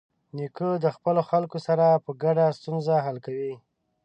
نیکه د خپلو خلکو سره په ګډه ستونزې حل کوي.